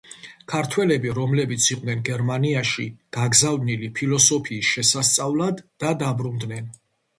ქართველები, რომლებიც იყვნენ გერმანიაში გაგზავნილნი ფილოსოფიის შესასწავლად და დაბრუნდნენ.